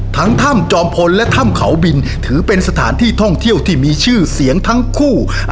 ถ้ำจอมพลและถ้ำเขาบินถือเป็นสถานที่ท่องเที่ยวที่มีชื่อเสียงทั้งคู่